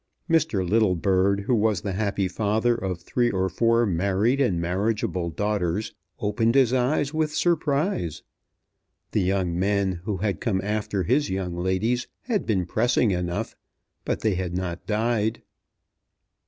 Mr. Littlebird, who was the happy father of three or four married and marriageable daughters, opened his eyes with surprise. The young men who had come after his young ladies had been pressing enough, but they had not died.